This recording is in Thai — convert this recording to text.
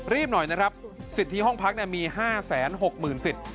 หน่อยนะครับสิทธิห้องพักมี๕๖๐๐๐สิทธิ